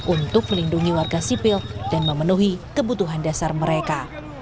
untuk melindungi warga sipil dan memenuhi kebutuhan dasar mereka